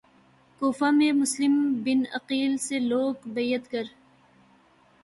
کوفہ میں Muslim bin Aqil سے لوگ بیعت کر